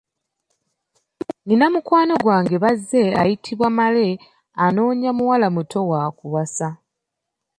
Nnina mukwano gwa baze ayitibwa Male anoonya muwala muto wa kuwasa.